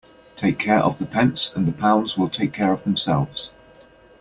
Take care of the pence and the pounds will take care of themselves.